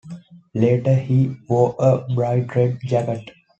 Later, he wore a bright red jacket.